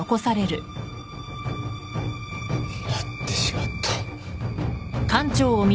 やってしまった。